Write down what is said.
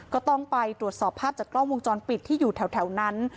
ก็ต้องไปตรวจสอบภาพจากกล้องวงจรปิดที่อยู่แถวนั้น